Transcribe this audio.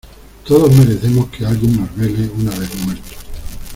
todos merecemos que alguien nos vele una vez muertos.